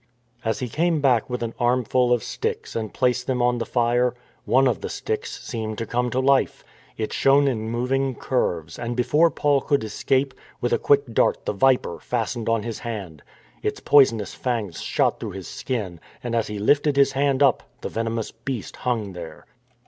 As he came back with an armful of sticks and placed them on the fire, one of the sticks seemed to come to 834 THE CASTOR AND POLLUX 335 life. It shone in moving curves, and, before Paul could escape, with a quick dart the viper fastened on his hand. Its poisonous fangs shot through his skin, and as he lifted his hand up the venomous beast hung there.